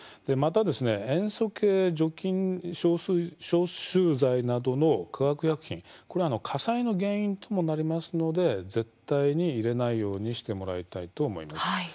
また塩素系除菌消臭剤などの化学薬品は火災の原因ともなりますので絶対に入れないようにしてもらいたいと思います。